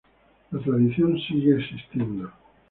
La tradición sigue existiendo.